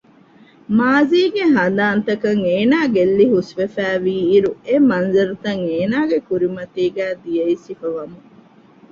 މާޒީގެ ހަނދާންތަކަށް އޭނާ ގެއްލި ހުސްވެފައިވީ އިރު އެ މަންޒަރުތައް އޭނާގެ ކުރިމަތީގައި ދިޔައީ ސިފަވަމުން